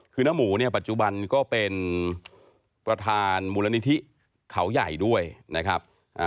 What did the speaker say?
คือน้าหมูเนี่ยปัจจุบันก็เป็นประธานมูลนิธิเขาใหญ่ด้วยนะครับ